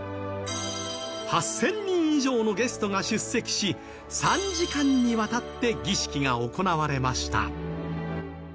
８０００人以上のゲストが出席し３時間にわたって儀式が行われました。